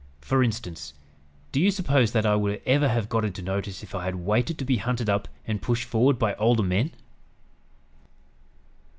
For instance, do you suppose that I would ever have got into notice if I had waited to be hunted up and pushed forward by older men?"